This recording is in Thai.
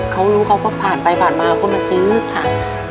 เขารู้เขาก็ผ่านไปผ่านมาก็มาซื้อค่ะ